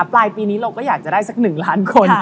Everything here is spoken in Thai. ปลายปีนี้เราก็อยากจะได้สัก๑ล้านคน